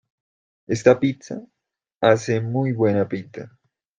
Esta pizza hace muy buena pinta.